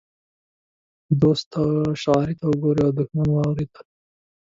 دوست اشارې ته ګوري او دښمن وارې ته.